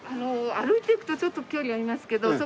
歩いて行くとちょっと距離ありますけど。